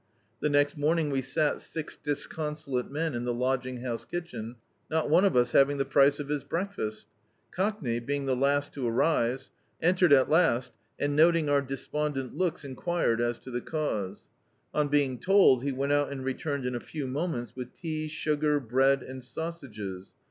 The next morning we sat six dis consolate men in the lodging house kitchen, not one of us having the price of his breakfast Codcney, being the last to rise, entered at last, and noting our despondent looks enquired as to the cause. On being told he went out and returned in a few mo ments with tea, sugar, bread and sausages.